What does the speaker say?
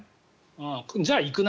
じゃあ、行くな。